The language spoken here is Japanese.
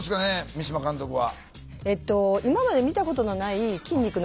三島監督は。